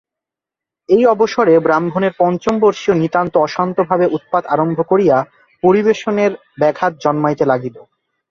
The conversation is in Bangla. এই অবসরে ব্রাহ্মণের পঞ্চমবর্ষীয় নিতান্ত অশান্ত ভাবে উৎপাত আরম্ভ করিয়া পরিবেশনের ব্যাঘাত জন্মাইতে লাগিল।